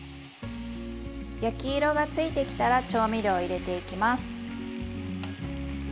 焼き色がついてきたら調味料を入れていきます。